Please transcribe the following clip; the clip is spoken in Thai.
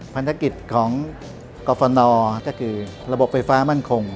พันธกิจของกรฟนก็คือระบบไฟฟ้ามั่นคง